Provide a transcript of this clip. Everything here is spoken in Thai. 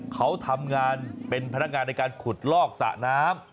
เขาทำงานเป็นพนักงานในการขุดลอกสระน้ำ